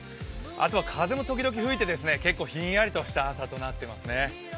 あと風も時々吹いて結構ひんやりとした空となっています。